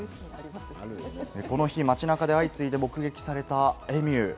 この日、街中で相次いで目撃されたエミュー。